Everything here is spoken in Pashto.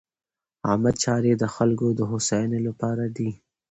عامه چارې د خلکو د هوساینې لپاره دي.